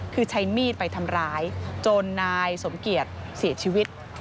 คือใช้มีดไปทำร้ายจนนายสมเกียจเสียชีวิต